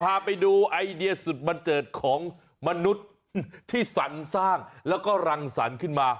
พาไปดูไอเดียสุดบันเจิดของมนุษย์ที่สรรสร้างแล้วก็รังสรรค์ขึ้นมา